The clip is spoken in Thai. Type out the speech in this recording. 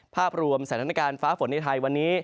ภาพรวมสถานการณ์ฟ้าฝนในไทยวันนี้